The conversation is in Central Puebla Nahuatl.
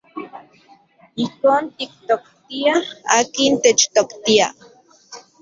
Ijkon tiktoktiaj akin techtoktia.